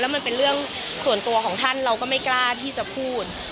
มันเป็นเรื่องส่วนตัวของท่านเราก็ไม่กล้าที่จะพูด